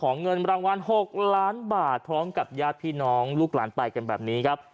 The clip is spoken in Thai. เงินรางวัล๖ล้านบาทพร้อมกับญาติพี่น้องลูกหลานไปกันแบบนี้ครับ